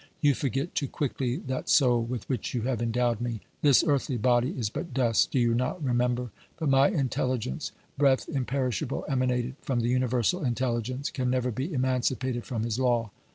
You forget too quickly that soul with which you have endowed me. This earthly body is but dust, do you not remember ? But my intelligence, breath imperishable emanated from the uni versal intelligence, can never be emancipated from His law.